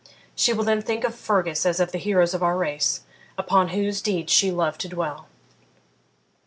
She will then think of Fergus as of the heroes of our race, upon whose deeds she loved to dwell.'